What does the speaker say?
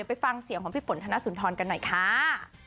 ไปฟังเสียงของพี่ฝนธนสุนทรกันหน่อยค่ะ